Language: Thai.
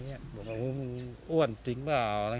ก็เป็นการหยอกเย้าลูกหลานเล่นกันอย่างนี้